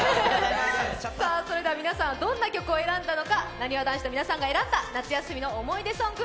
それでは皆さんどんな曲を選んだのかなにわ男子が選んだ夏休みの思い出ソング